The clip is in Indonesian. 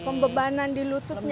ya pembebanan di lututnya